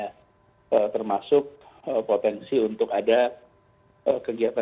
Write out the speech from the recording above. karena termasuk potensi untuk ada kegiatan